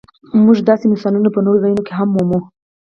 موږ داسې مثالونه په نورو ځایونو کې هم مومو.